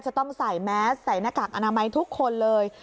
จะต้องใส่แมสใส่หน้ากากอนามัยทุกคนเลย